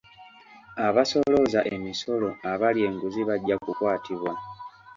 Abasolooza emisolo abalya enguzi bajja kukwatibwa.